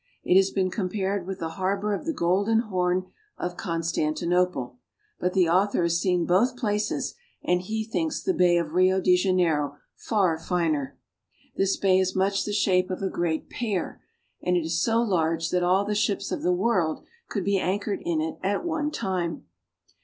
It has been compared with the harbor of the Golden Horn of Con stantinople ; but the author has seen both places, and he thinks the Bay of Rio de Janeiro far finer. This bay is much the shape of a great pear, and is so large that all the ships of the world could be anchored in it at one time.